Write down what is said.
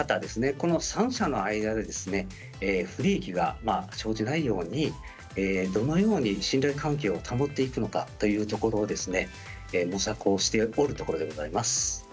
この３者の間で不利益が生じないようにどのように信頼関係を保っていくのかということを模索をしておるところでございます。